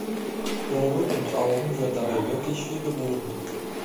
Ohren und Augen wird dabei wirklich viel geboten.